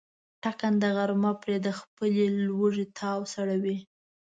ټکنده غرمه پرې د خپلې لوږې تاو سړوي.